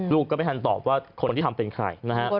ลูกก็ไม่ทันตอบว่าคนที่ทหลังประมาณในใคร